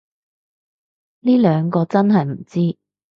呢兩個真係唔知